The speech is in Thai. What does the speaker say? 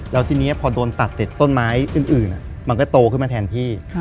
แล้วทีนี้พอโดนตัดเสร็จต้นไม้อื่นมันก็โตขึ้นมาแทนพี่